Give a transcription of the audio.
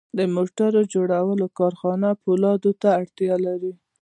د موټر جوړونې کارخانه پولادو ته اړتیا لري